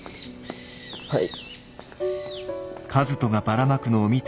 はい。